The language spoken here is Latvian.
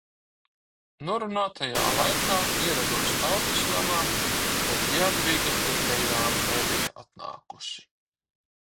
Norunātajā laikā ierados Tautas namā, bet Jadviga uz dejām nebija atnākusi.